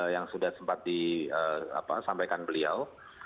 yang sudah sempat disampaikan beliau